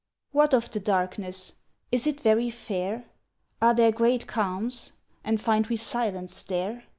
What of the darkness? Is it very fair? Are there great calms? and find we silence there?